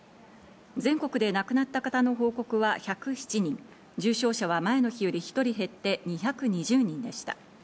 全国で亡くなった方の報告は１０７人、重症者は前の日より１人減って２２０人でした。